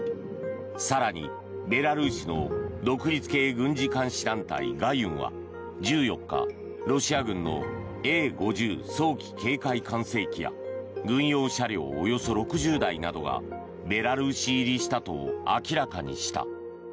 更に、ベラルーシの独立系軍事監視団体ガユンは１４日、ロシア軍のＡ５０早期警戒管制機や軍用車両およそ６０台などがベラルーシ入りしたと明らかにした。